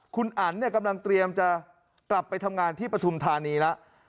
คุณอันเนี่ยกำลังเตรียมจะกลับไปทำงานที่ปฐุมธานีแล้ว